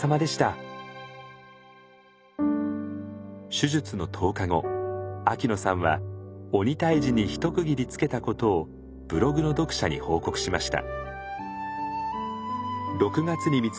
手術の１０日後秋野さんは鬼退治に一区切りつけたことをブログの読者に報告しました。